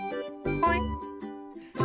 はい。